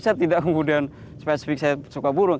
saya tidak kemudian spesifik saya suka burung